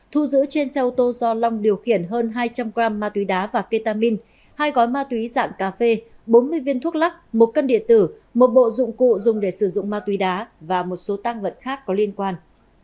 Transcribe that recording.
thu giữ trên xe ô tô do long điều khiển hơn hai trăm linh g ma túy đá và ketamin hai gói ma túy dạng cà phê bốn mươi viên thuốc lắc một cân điện tử một bộ dụng cụ dùng để sử dụng ma túy đá và một số tăng vật khác có liên quan